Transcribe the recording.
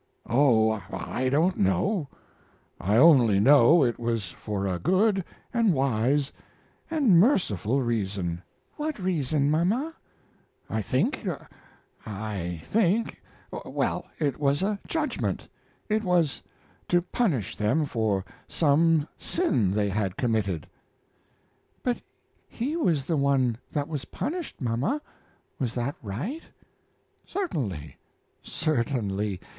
"Oh, I don't know! I only know it was for a good and wise and merciful reason." "What reason, mama?" "I think I think well, it was a judgment; it was to punish them for some sin they had committed." "But he was the one that was punished, mama. Was that right?" "Certainly, certainly.